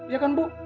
iya kan bu